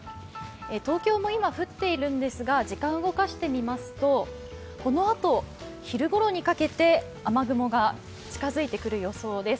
東京も今、降っているんですが、時間を動かしてみますと、このあと昼ごろにかけて雨雲が近づいてくる予想です。